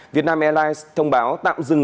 việt nam airlines thông báo tạm dừng